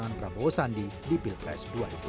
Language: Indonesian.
pasangan prabowo sandi di pilpres dua ribu sembilan belas